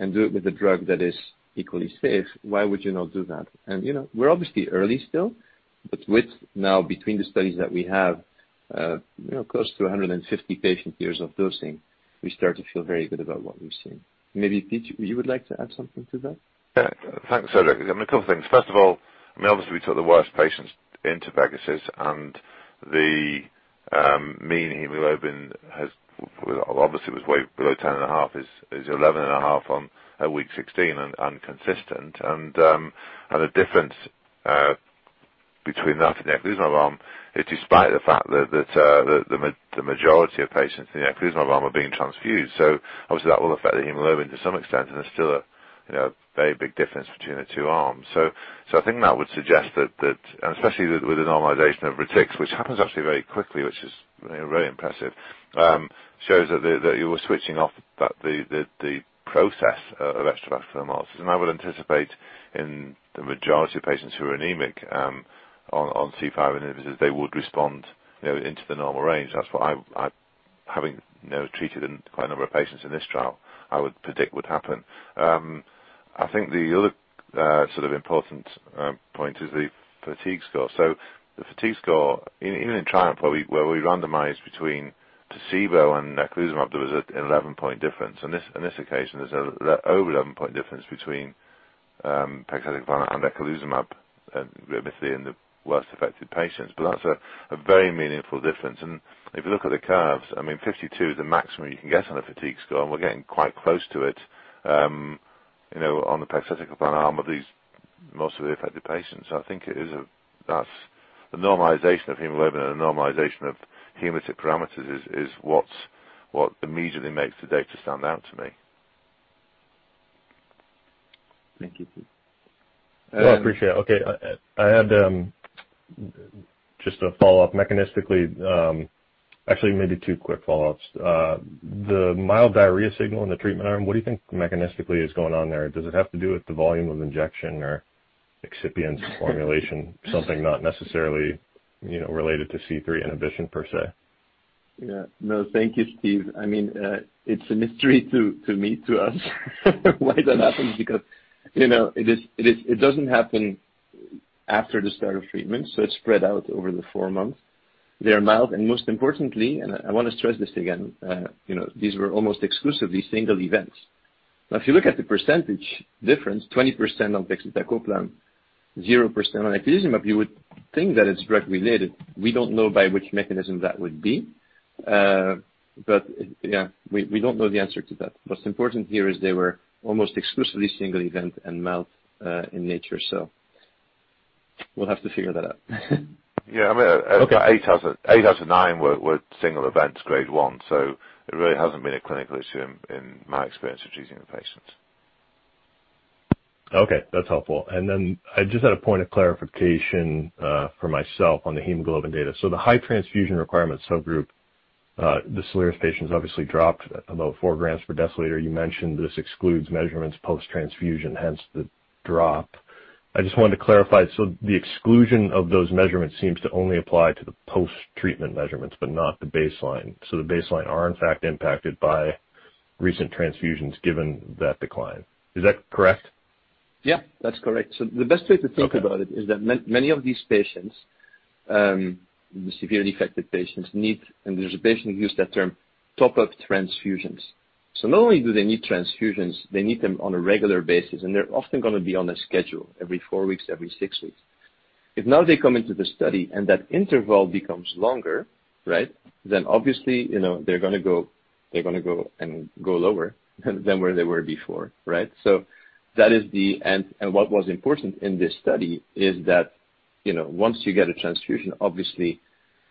S3: and do it with a drug that is equally safe, why would you not do that? We're obviously early still, but with now between the studies that we have close to 150 patient years of dosing, we start to feel very good about what we've seen. Maybe, Pete, you would like to add something to that?
S7: Yeah. Thanks, Cedric. A couple things. First of all, obviously we took the worst patients into PEGASUS. The mean hemoglobin obviously was way below 10.5 grams is 11.5 grams on week 16 and consistent. The difference between that and the eculizumab arm is despite the fact that the majority of patients in the eculizumab arm are being transfused. Obviously that will affect the hemoglobin to some extent, and there's still a very big difference between the two arms. I think that would suggest that, especially with a normalization of retics, which happens actually very quickly, which is very impressive, shows that you were switching off the process of extravascular hemolysis. I would anticipate in the majority of patients who are anemic on C5 inhibitors, they would respond into the normal range. That's what I, having treated quite a number of patients in this trial, I would predict would happen. I think the other sort of important point is the fatigue score. The fatigue score, even in TRIUMPH, where we randomized between placebo and eculizumab, there was an 11-point difference. On this occasion, there's an over 11-point difference between pegcetacoplan and eculizumab, remicade in the worst affected patients. That's a very meaningful difference. If you look at the curves, 52 is the maximum you can get on a fatigue score, and we're getting quite close to it on the pegcetacoplan arm of these most severely affected patients. I think the normalization of hemoglobin and the normalization of hematocrit parameters is what immediately makes the data stand out to me.
S3: Thank you, Steve.
S11: No, I appreciate it. Okay. I had just a follow-up mechanistically. Actually, maybe two quick follow-ups. The mild diarrhea signal in the treatment arm, what do you think mechanistically is going on there? Does it have to do with the volume of injection or excipient formulation, something not necessarily related to C3 inhibition per se?
S3: Yeah. No, thank you, Steve. It's a mystery to me, to us why that happens, because it doesn't happen after the start of treatment, so it's spread out over the four months. They are mild, and most importantly, and I want to stress this again, these were almost exclusively single events. Now, if you look at the percentage difference, 20% on pegcetacoplan, 0% on eculizumab, you would think that it's drug-related. We don't know by which mechanism that would be. Yeah, we don't know the answer to that. What's important here is they were almost exclusively single event and mild in nature. We'll have to figure that out.
S7: Yeah.
S3: Okay.
S7: About eight out of nine were single events, grade 1. It really hasn't been a clinical issue in my experience with treating the patients.
S11: Okay, that's helpful. I just had a point of clarification for myself on the hemoglobin data. The high transfusion requirement subgroup, the SOLIRIS patients obviously dropped about four grams per deciliter. You mentioned this excludes measurements post-transfusion, hence the drop. I just wanted to clarify, the exclusion of those measurements seems to only apply to the post-treatment measurements, but not the baseline. The baseline are in fact impacted by recent transfusions given that decline. Is that correct?
S3: Yeah, that's correct. The best way-
S11: Okay.
S3: To think about it is that many of these patients, the severely affected patients, need, and there's a patient who used that term, top-up transfusions. Not only do they need transfusions, they need them on a regular basis, and they're often going to be on a schedule every four weeks, every six weeks. If now they come into the study and that interval becomes longer, obviously they're going to go lower than where they were before. Right? What was important in this study is that once you get a transfusion, obviously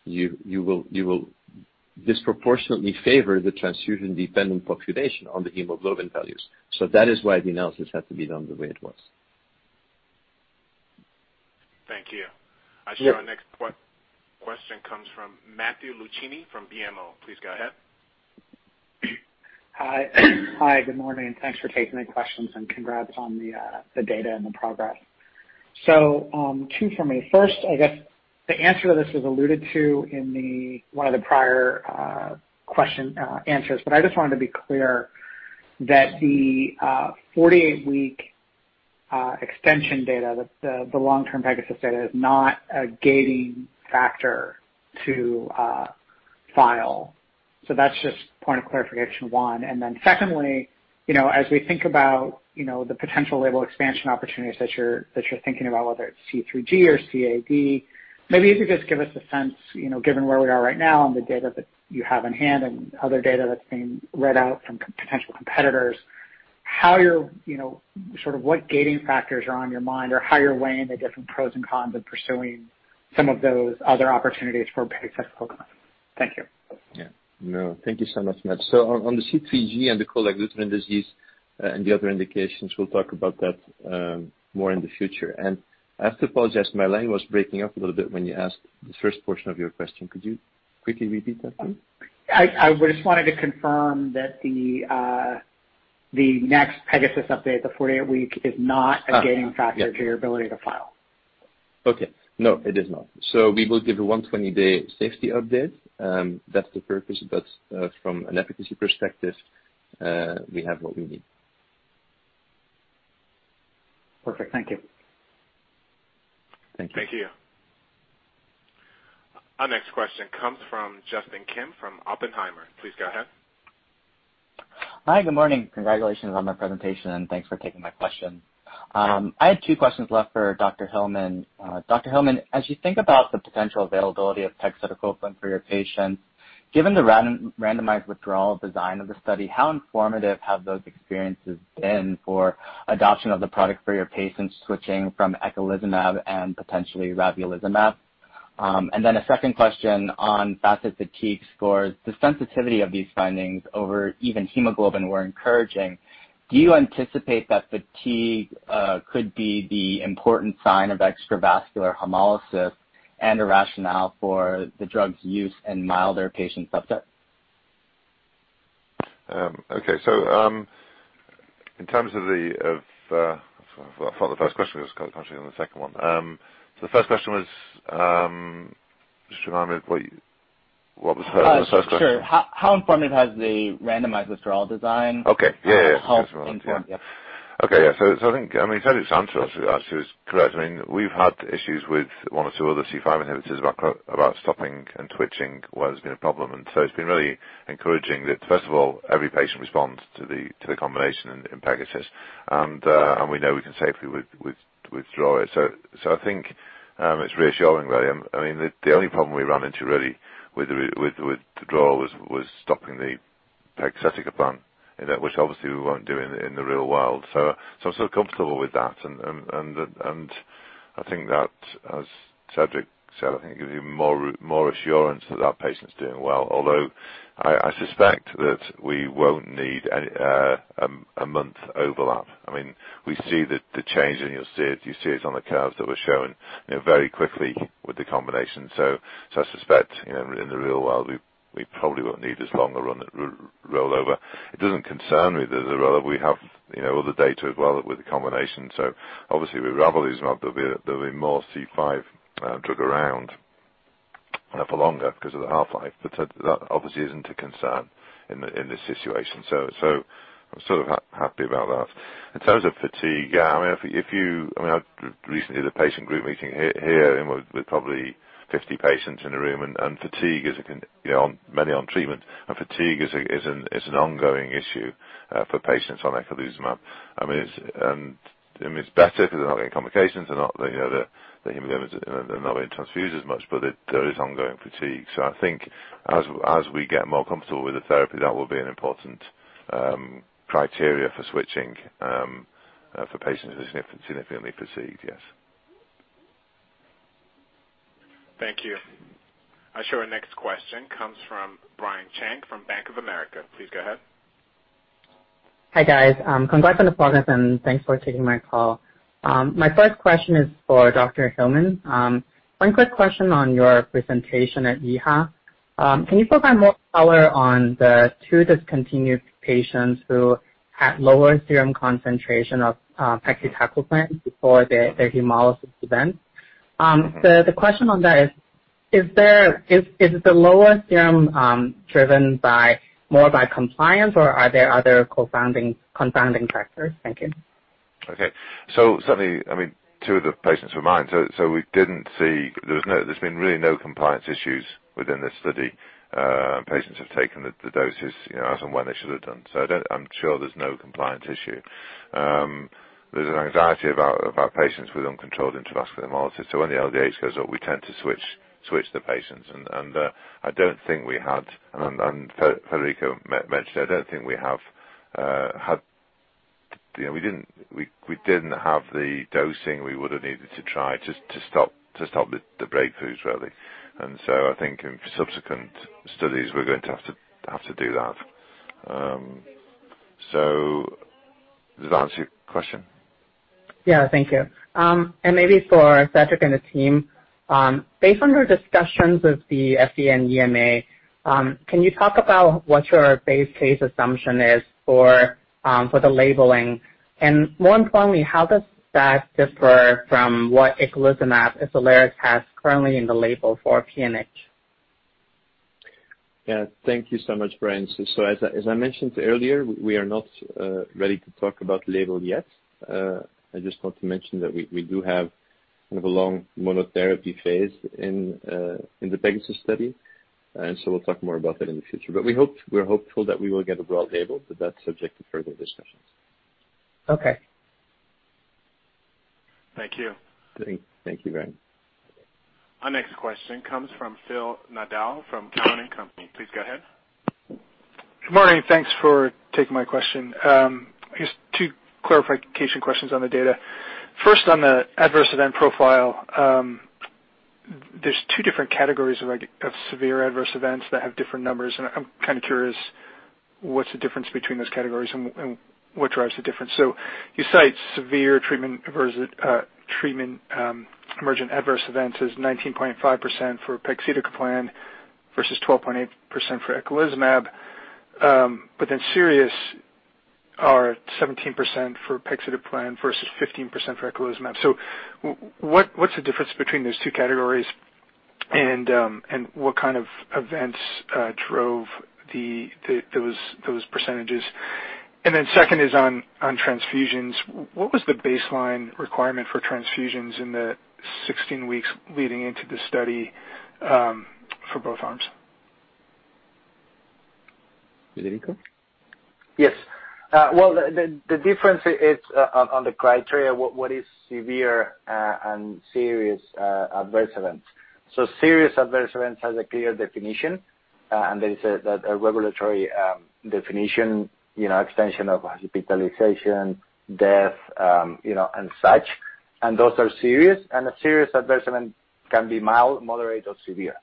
S3: you will disproportionately favor the transfusion-dependent population on the hemoglobin values. That is why the analysis had to be done the way it was.
S1: Thank you.
S3: Yeah.
S1: Our next question comes from Matthew Luchini from BMO. Please go ahead.
S12: Hi. Good morning. Thanks for taking the questions and congrats on the data and the progress. Two from me. First, I guess the answer to this was alluded to in one of the prior question answers, but I just wanted to be clear that the 48-week extension data, the long-term PEGASUS data, is not a gating factor to file. That's just point of clarification, one. Secondly, as we think about the potential label expansion opportunities that you're thinking about, whether it's C3G or CAD, maybe if you could just give us a sense, given where we are right now on the data that you have in-hand and other data that's being read out from potential competitors, sort of what gating factors are on your mind or how you're weighing the different pros and cons of pursuing some of those other opportunities for pegcetacoplan. Thank you.
S3: No, thank you so much, Matt. On the C3G and the cold agglutinin disease and the other indications, we'll talk about that more in the future. I have to apologize, my line was breaking up a little bit when you asked the first portion of your question. Could you quickly repeat that please?
S12: I just wanted to confirm that the next PEGASUS update, the 48-week, is not- A gating factor-
S3: Yeah.
S12: To your ability to file.
S3: Okay. No, it is not. We will give a 120-day safety update. That's the purpose. From an efficacy perspective, we have what we need.
S12: Perfect. Thank you.
S3: Thank you.
S1: Thank you. Our next question comes from Justin Kim from Oppenheimer. Please go ahead.
S13: Hi. Good morning. Congratulations on the presentation. Thanks for taking my question. I had two questions left for Dr. Hillmen. Dr. Hillmen, as you think about the potential availability of pegcetacoplan for your patients, given the randomized withdrawal design of the study, how informative have those experiences been for adoption of the product for your patients switching from eculizumab and potentially ravulizumab? A second question on FACIT-Fatigue scores. The sensitivity of these findings over even hemoglobin were encouraging. Do you anticipate that fatigue could be the important sign of extravascular hemolysis and a rationale for the drug's use in milder patient subsets?
S7: Okay. I thought the first question was kind of touching on the second one. The first question was, just remind me, what was the first question?
S13: Sure. How informative has the randomized withdrawal design?
S7: Okay. Yeah.
S13: How informed. Yep.
S7: Okay, yeah. I think, Cedric's answer actually was correct. We've had issues with one or two other C5 inhibitors about stopping and switching where there's been a problem. It's been really encouraging that, first of all, every patient responds to the combination in PEGASUS.
S13: Yeah.
S7: We know we can safely withdraw it. I think it's reassuring, really. The only problem we ran into, really, with withdrawal was stopping the pegcetacoplan, which obviously we won't do in the real world. I'm still comfortable with that, and I think that, as Cedric said, I think it gives you more assurance that our patient's doing well. Although, I suspect that we won't need a month overlap. We see the change, and you see it on the curves that we're showing very quickly with the combination. I suspect, in the real world, we probably won't need as long a rollover. It doesn't concern me that there's a rollover. We have other data as well with the combination. Obviously with ravulizumab, there'll be more C5 drug around for longer because of the half-life. That obviously isn't a concern in this situation. I'm still happy about that. In terms of fatigue, yeah. I had recently the patient group meeting here with probably 50 patients in the room, many on treatment, and fatigue is an ongoing issue for patients on eculizumab. It's better because they're not getting complications. They're not getting transfusions much, but there is ongoing fatigue. I think as we get more comfortable with the therapy, that will be an important criteria for switching for patients who are significantly fatigued. Yes.
S1: Thank you. I show our next question comes from Brian Cheng from Bank of America. Please go ahead.
S14: Hi, guys. Congrats on the progress and thanks for taking my call. My first question is for Dr. Hillmen. One quick question on your presentation at EHA. Can you provide more color on the two discontinued patients who had lower serum concentration of pegcetacoplan before their hemolysis event? The question on that is the lower serum driven more by compliance, or are there other confounding factors? Thank you.
S7: Okay. Certainly, two of the patients were mine. There's been really no compliance issues within this study. Patients have taken the doses as and when they should have done. I'm sure there's no compliance issue. There's an anxiety about patients with uncontrolled intravascular hemolysis, so when the LDH goes up, we tend to switch the patients. I don't think we had, and Federico mentioned, we didn't have the dosing we would've needed to try to stop the breakthroughs, really. I think in subsequent studies, we're going to have to do that. Does that answer your question?
S14: Yeah. Thank you. Maybe for Cedric and the team, based on your discussions with the FDA and EMA, can you talk about what your base case assumption is for the labeling? More importantly, how does that differ from what eculizumab, Soliris, has currently in the label for PNH?
S3: Yeah. Thank you so much, Brian. As I mentioned earlier, we are not ready to talk about label yet. I just want to mention that we do have a long monotherapy phase in the PEGASUS study, and so we'll talk more about that in the future. We're hopeful that we will get a broad label, but that's subject to further discussions.
S14: Okay.
S3: Thank you. Thank you, Brian.
S1: Our next question comes from Phil Nadeau from Cowen and Company. Please go ahead.
S15: Morning, thanks for taking my question. Two clarification questions on the data. On the adverse event profile, there's two different categories of severe adverse events that have different numbers. I'm curious what's the difference between those categories and what drives the difference. You cite severe treatment-emergent adverse events as 19.5% for pegcetacoplan versus 12.8% for eculizumab. Serious are at 17% for pegcetacoplan versus 15% for eculizumab. What's the difference between those two categories, and what kind of events drove those percentages? Second is on transfusions. What was the baseline requirement for transfusions in the 16 weeks leading into the study, for both arms?
S3: Federico?
S4: Well, the difference is on the criteria, what is severe and serious adverse events. Serious adverse events has a clear definition, and there is a regulatory definition, extension of hospitalization, death, and such. Those are serious, and a serious adverse event can be mild, moderate, or severe.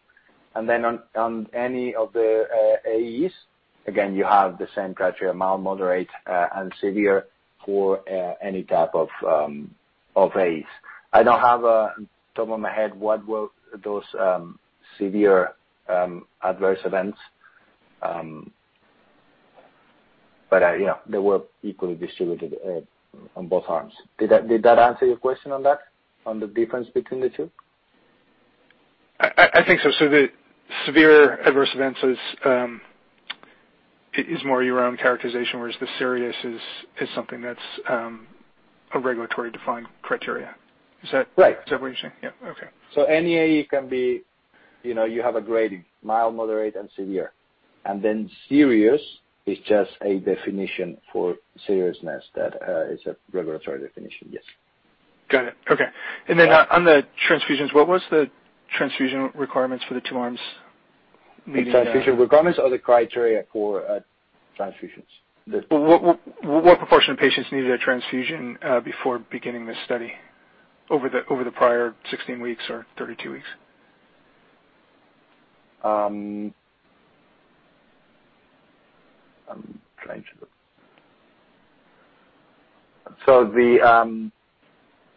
S4: Then on any of the AEs, again, you have the same criteria, mild, moderate, and severe for any type of AEs. I don't have on top of my head what were those severe adverse events. They were equally distributed on both arms. Did that answer your question on that, on the difference between the two?
S15: I think so. The severe adverse events is more your own characterization, whereas the serious is something that's a regulatory defined criteria. Is that?
S4: Right.
S15: Is that what you're saying? Yeah. Okay.
S4: Any AE can be, you have a grading, mild, moderate, and severe. Serious is just a definition for seriousness that is a regulatory definition, yes.
S15: Got it. Okay. On the transfusions, what was the transfusion requirements for the two arms needing?
S4: The transfusion requirements or the criteria for transfusions?
S15: What proportion of patients needed a transfusion before beginning this study over the prior 16 weeks or 32 weeks?
S4: I'm trying to look.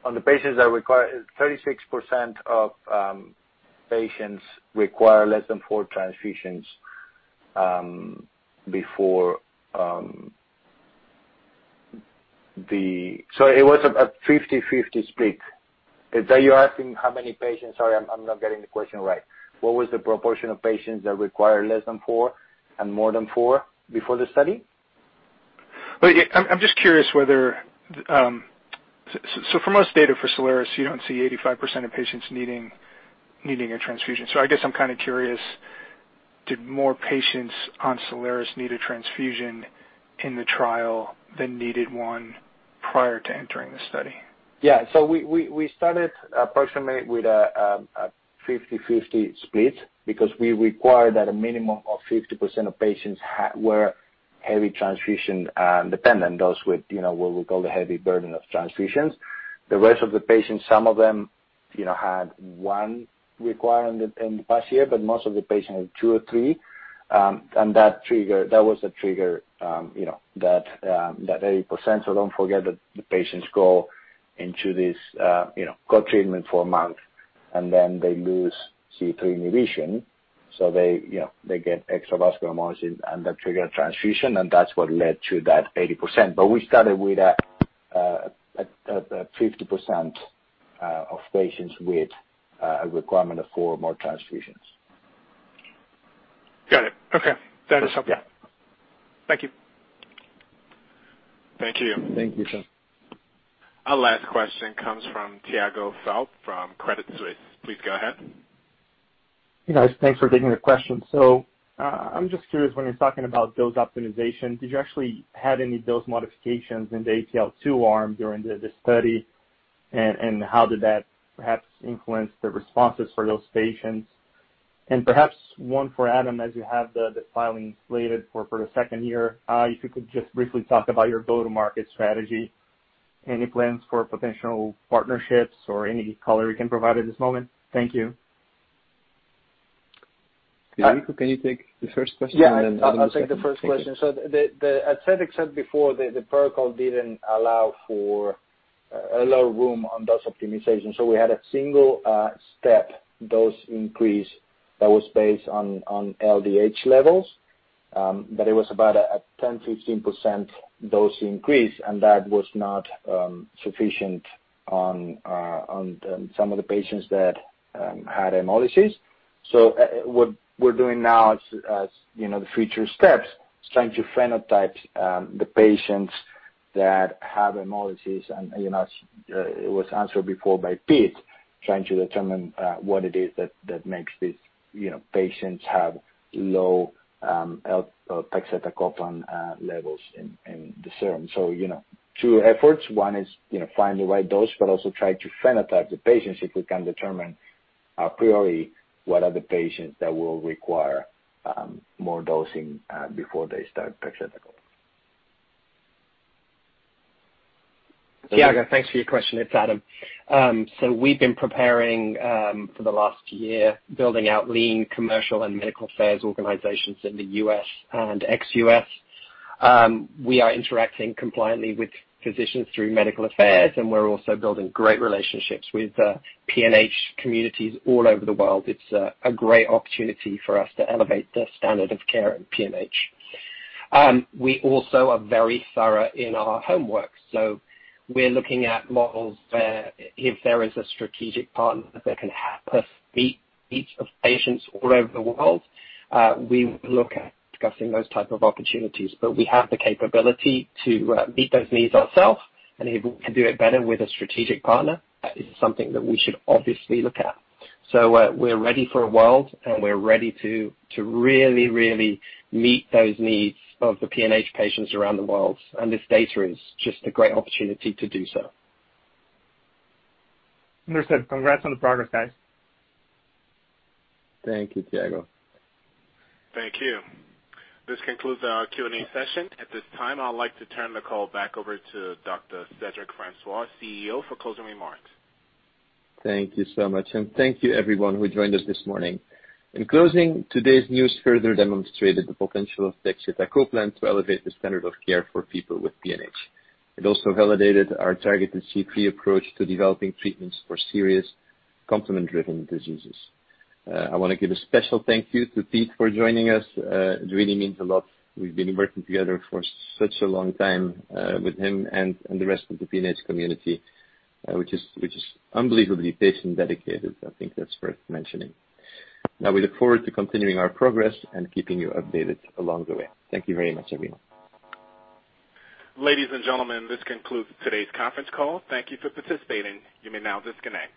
S4: On the patients that require, 36% of patients require less than four transfusions. It was a 50/50 split. Is that you're asking how many patients? Sorry, I'm not getting the question right. What was the proportion of patients that required less than four and more than four before the study?
S15: Well, yeah. I'm just curious whether for most data for SOLIRIS, you don't see 85% of patients needing a transfusion. I guess I'm curious, did more patients on SOLIRIS need a transfusion in the trial than needed one prior to entering the study?
S4: Yeah. We started approximately with a 50/50 split because we required that a minimum of 50% of patients were heavy transfusion dependent, those with, what we call the heavy burden of transfusions. The rest of the patients, some of them had one required in the past year, but most of the patients had two or three. That was a trigger, that 80%. Don't forget that the patients go into this got treatment for a month, and then they lose C3 inhibition. They get extravascular hemolysis and that trigger a transfusion, and that's what led to that 80%. We started with a 50% of patients with a requirement of four more transfusions.
S15: Got it. Okay. That is helpful.
S4: Yeah.
S15: Thank you.
S3: Thank you.
S4: Thank you, Phil.
S1: Our last question comes from Tiago Fauth from Credit Suisse. Please go ahead.
S16: Hey, guys. Thanks for taking the question. I'm just curious, when you're talking about dose optimization, did you actually have any dose modifications in the APL-2 arm during the study? How did that perhaps influence the responses for those patients? Perhaps one for Adam, as you have the filing slated for the second year, if you could just briefly talk about your go-to-market strategy. Any plans for potential partnerships or any color you can provide at this moment? Thank you.
S3: Federico, can you take the first question and then Adam the second?
S4: Yeah. I'll take the first question. As Cedric said before, the protocol didn't allow room on dose optimization. We had a single step dose increase that was based on LDH levels. It was about a 10%-15% dose increase, and that was not sufficient on some of the patients that had hemolysis. What we're doing now as the future steps is trying to phenotype the patients that have hemolysis, and it was answered before by Pete, trying to determine what it is that makes these patients have low pegcetacoplan levels in the serum. Two efforts. One is find the right dose, but also try to phenotype the patients if we can determine a priori what are the patients that will require more dosing before they start pegcetacoplan.
S17: Tiago, thanks for your question. It's Adam. We've been preparing for the last year, building out lean commercial and medical affairs organizations in the U.S. and ex-U.S. We are interacting compliantly with physicians through medical affairs, and we're also building great relationships with PNH communities all over the world. It's a great opportunity for us to elevate the standard of care in PNH. We also are very thorough in our homework. We're looking at models where if there is a strategic partner that can help us meet each of patients all over the world, we will look at discussing those type of opportunities. We have the capability to meet those needs ourself, and if we can do it better with a strategic partner, that is something that we should obviously look at. We're ready for a world, and we're ready to really, really meet those needs of the PNH patients around the world. This data is just a great opportunity to do so.
S16: Understood. Congrats on the progress, guys.
S4: Thank you, Tiago.
S1: Thank you. This concludes our Q&A session. At this time, I would like to turn the call back over to Dr. Cedric Francois, CEO, for closing remarks.
S3: Thank you so much. Thank you everyone who joined us this morning. In closing, today's news further demonstrated the potential of pegcetacoplan to elevate the standard of care for people with PNH. It also validated our targeted C3 approach to developing treatments for serious complement-driven diseases. I want to give a special thank you to Pete for joining us. It really means a lot. We've been working together for such a long time with him and the rest of the PNH community, which is unbelievably patient dedicated. I think that's worth mentioning. We look forward to continuing our progress and keeping you updated along the way. Thank you very much, everyone.
S1: Ladies and gentlemen, this concludes today's conference call. Thank you for participating. You may now disconnect.